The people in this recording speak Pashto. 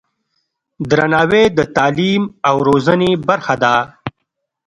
درناوی د تعلیم او روزنې برخه ده.